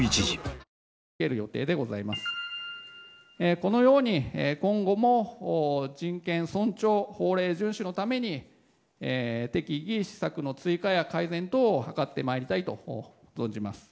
このように今後も人権尊重、法令順守のために適宜、施策の追加や改善等を図ってまいりたいと存じます。